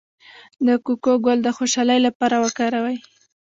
د کوکو ګل د خوشحالۍ لپاره وکاروئ